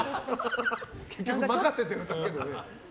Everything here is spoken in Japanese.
結局、任せてるだけでね。